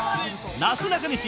なすなかにし